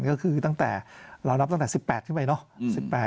ก็คือตั้งแต่เรารับตั้งแต่๑๘ขึ้นไปเนอะ